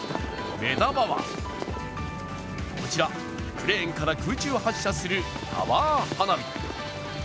目玉はこちら、クレーンから空中発射するタワー花火。